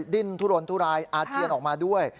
ดิ้นทุรนทุรายอาเจียนออกมาด้วย